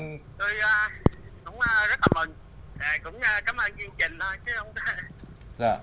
cũng cảm ơn chương trình